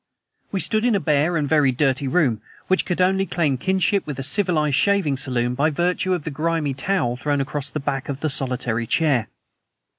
We stood in a bare and very dirty room, which could only claim kinship with a civilized shaving saloon by virtue of the grimy towel thrown across the back of the solitary chair.